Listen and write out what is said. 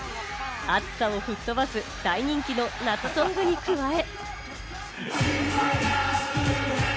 暑さを吹っ飛ばす大人気の夏ソングに加え。